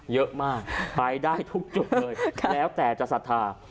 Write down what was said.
เยอะมากไปได้ทุกจุดเลยแล้วแต่จะศรัทธา